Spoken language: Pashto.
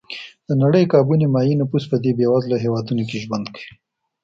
د نړۍ کابو نیمایي نفوس په دې بېوزله هېوادونو کې ژوند کوي.